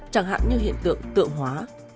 chẳng hạn như hiện tượng tượng hóa